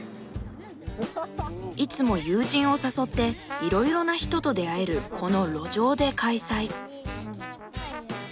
いつも友人を誘っていろいろな人と出会えるこの路上で開催。